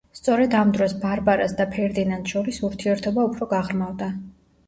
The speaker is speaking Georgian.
სწორედ ამ დროს ბარბარას და ფერდინანდს შორის ურთიერთობა უფრო გაღრმავდა.